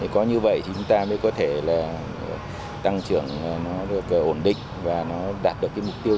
có như vậy thì chúng ta mới có thể tăng trưởng được ổn định và đạt được mục tiêu